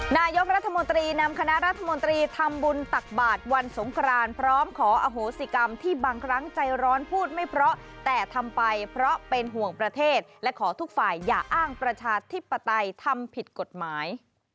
นายกรัฐมนตรีนำคณะรัฐมนตรีทำบุญตักบาทวันสงครานพร้อมขออโหสิกรรมที่บางครั้งใจร้อนพูดไม่เพราะแต่ทำไปเพราะเป็นห่วงประเทศและขอทุกฝ่ายอย่าอ้างประชาธิปไตยทำผิดกฎหมาย